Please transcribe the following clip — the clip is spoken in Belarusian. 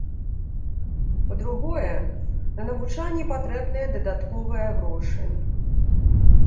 Па-другое, на навучанне патрэбныя дадатковыя грошы.